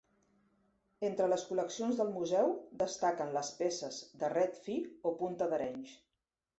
Entre les col·leccions del Museu destaquen les peces de ret fi o punta d'Arenys.